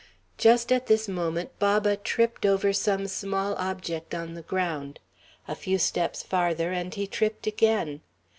Just at this moment Baba tripped over some small object on the ground. A few steps farther, and he tripped again.